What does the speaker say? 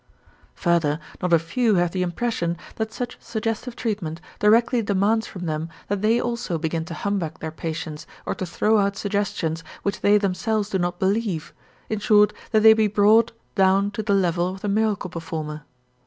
Further not a few have the impression that such suggestive treatment directly demands from them that they also begin to humbug their patients or to throw out suggestions which they themselves do not believe, in short, that they be brought down to the level of the miracle performer.